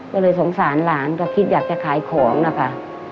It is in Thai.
ก็เลยสงสารหลานก็คิดอยากจะขายของนะคะ